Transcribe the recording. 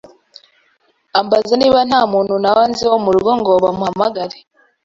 ambaza niba nta muntu naba nzi wo mu rugo ngo bamuhamagare